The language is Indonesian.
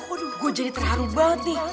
aduh gue jadi terharu banget nih